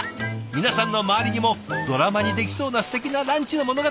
皆さんの周りにもドラマにできそうなすてきなランチの物語ありません？